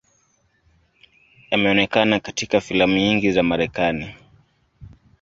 Ameonekana katika filamu nyingi za Marekani.